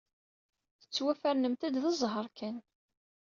Tettwafernemt-d d zzheṛ kan.